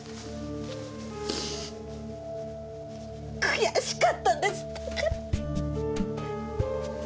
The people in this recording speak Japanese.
悔しかったんです！